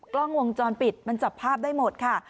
กล้องวงจรปิดมันจับภาพได้หมดค่ะ